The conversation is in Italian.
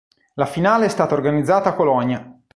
La finale è stata organizzata a Colonia.